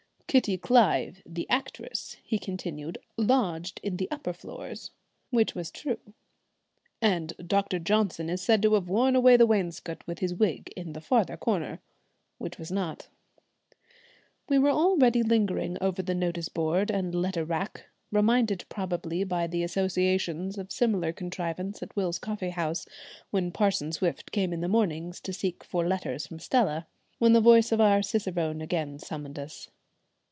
"Kitty Clive, the actress," he continued, "lodged in the upper floors," which was true "and Dr. Johnson is said to have worn away the wainscot with his wig in the further corner," which was not. We were already lingering over the notice board and letter rack, reminded probably by the associations of a similar contrivance at Will's Coffee House, when Parson Swift came in the mornings to seek for letters from Stella, when the voice of our cicerone again summoned us.